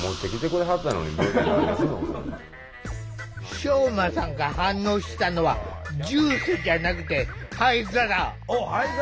ショウマさんが反応したのはジュースじゃなくてあっ灰皿？